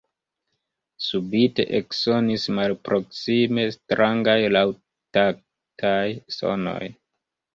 Subite eksonis malproksime strangaj laŭtaktaj sonoj.